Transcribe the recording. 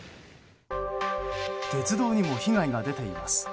鉄道にも被害が出ています。